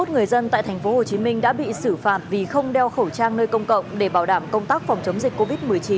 tám trăm bốn mươi một người dân tại tp hcm đã bị xử phạt vì không đeo khẩu trang nơi công cộng để bảo đảm công tác phòng chống dịch covid một mươi chín